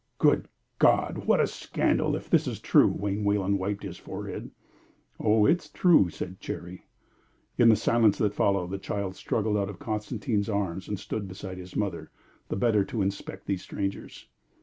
"Good God! What a scandal if this is true!" Wayne Wayland wiped his forehead. "Oh, it's true," said Cherry. In the silence that followed the child struggled out of Constantine's arms and stood beside his mother, the better to inspect these strangers.